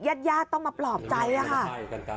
ญาติญาติต้องมาปลอบใจค่ะ